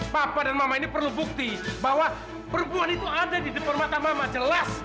papa dan mama ini perlu bukti bahwa perempuan itu ada di depan mata mama jelas